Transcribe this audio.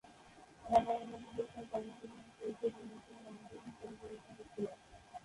অ ন ম নজরুল ইসলাম কর্মজীবনের শুরুতে ময়মনসিংহের আনন্দ মোহন কলেজের অধ্যাপক ছিলেন।